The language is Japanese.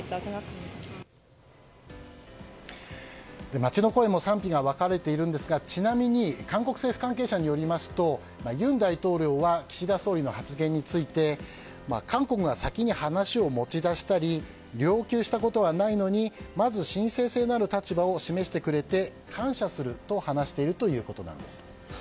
街の声も賛否が分かれているんですがちなみに韓国政府関係者によりますと尹大統領は岸田総理の発言について韓国が先に話を持ち出したり要求したことはないのにまず真正性のある立場を示してくれて感謝すると話しているということです。